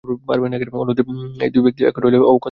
অন্য দিন এই দুই ব্যক্তি একত্র হইলে কথার অভাব হইত না।